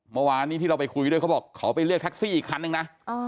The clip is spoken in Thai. เมื่อวานนี้ที่เราไปคุยด้วยเขาบอกเขาไปเรียกแท็กซี่อีกคันนึงนะ